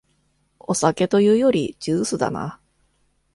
お酒というよりジュースだな